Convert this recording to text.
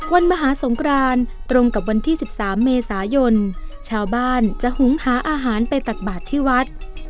มหาสงครานตรงกับวันที่๑๓เมษายนชาวบ้านจะหุงหาอาหารไปตักบาทที่วัด